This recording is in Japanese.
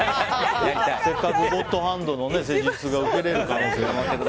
せっかくゴッドハンドの施術が受けられる可能性が。